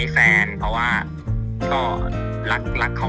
เห็นมั้ยว่าแล้ว